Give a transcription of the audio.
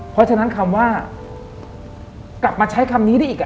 เพราะฉะนั้นคำว่ากลับมาใช้คำนี้ได้อีก